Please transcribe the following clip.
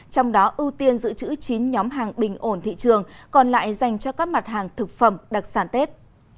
trong đó ưu tiên giữ chữ chín nhóm hàng bình ổn thị trường còn lại dành cho các mặt hàng thực phẩm đặc sản tết